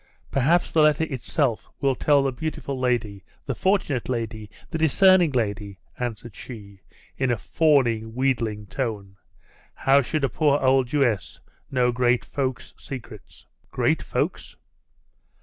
'Perhaps the letter itself will tell the beautiful lady, the fortunate lady, the discerning lady,' answered she, in a fawning, wheedling tone. 'How should a poor old Jewess know great folks' secrets?' 'Great folks?